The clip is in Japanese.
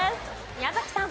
宮崎さん。